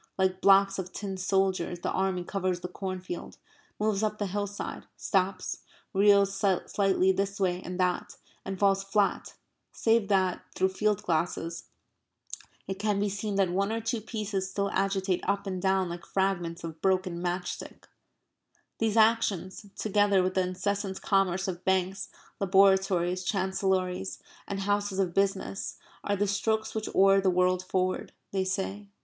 Like blocks of tin soldiers the army covers the cornfield, moves up the hillside, stops, reels slightly this way and that, and falls flat, save that, through field glasses, it can be seen that one or two pieces still agitate up and down like fragments of broken match stick. These actions, together with the incessant commerce of banks, laboratories, chancellories, and houses of business, are the strokes which oar the world forward, they say.